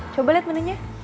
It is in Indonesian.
coba liat menunya